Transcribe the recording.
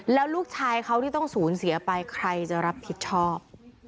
แล้วลูกชายเขาที่ต้องสูญเสียไปใครจะรับผิดชอบ